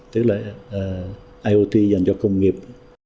tức là iot dành cho công nghiệp